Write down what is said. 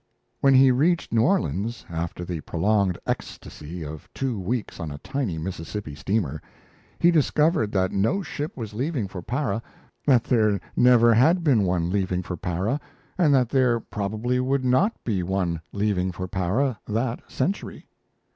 When he reached New Orleans, after the prolonged ecstasy of two weeks on a tiny Mississippi steamer, he discovered that no ship was leaving for Para, that there never had been one leaving for Para and that there probably would not be one leaving for Para that century.